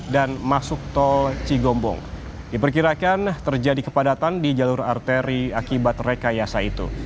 masuk tol cigombong diperkirakan terjadi kepadatan di jalur arteri akibat rekayasa itu